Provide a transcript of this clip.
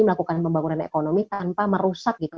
melakukan pembangunan ekonomi tanpa merusak gitu